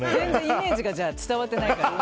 イメージが伝わってない。